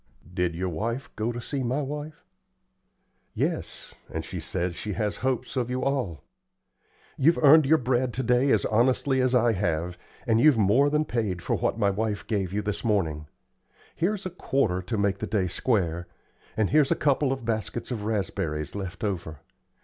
"Did yer wife go to see my wife?" "Yes, and she says she has hopes of you all. You've earned your bread to day as honestly as I have, and you've more than paid for what my wife gave you this morning. Here's a quarter to make the day square, and here's a couple of baskets of raspberries left over.